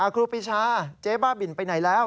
ครูปีชาเจ๊บ้าบินไปไหนแล้ว